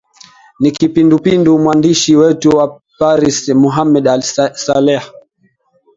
na kipindupindu mwandishi wetu wa paris mohamed saleh